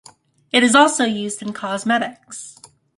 It is also used in cosmetics.